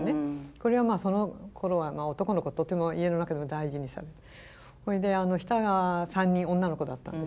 これはそのころは男の子とても家の中で大事にされてそれで下が３人女の子だったんです。